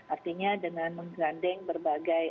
artinya dengan menggandeng berbagai